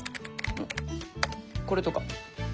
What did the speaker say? これとか。